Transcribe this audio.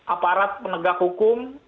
aparat penegak hukum